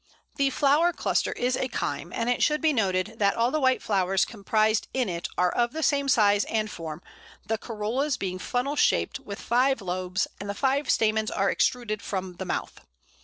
The flower cluster is a cyme, and it should be noted that all the white flowers comprised in it are of the same size and form, the corollas being funnel shaped, with five lobes, and the five stamens are extruded from the mouth.